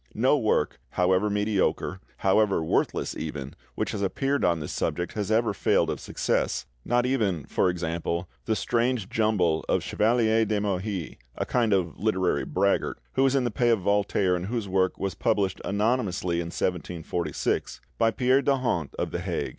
No work, however mediocre, however worthless even, which has appeared on this subject has ever failed of success, not even, for example, the strange jumble of Chevalier de Mouhy, a kind of literary braggart, who was in the pay of Voltaire, and whose work was published anonymously in 1746 by Pierre de Hondt of The Hague.